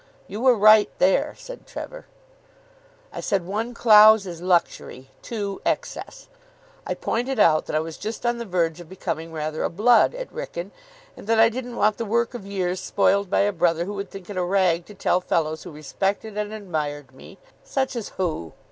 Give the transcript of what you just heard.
'" "You were right there," said Trevor. "I said, 'One Clowes is luxury, two excess.' I pointed out that I was just on the verge of becoming rather a blood at Wrykyn, and that I didn't want the work of years spoiled by a brother who would think it a rag to tell fellows who respected and admired me " "Such as who?"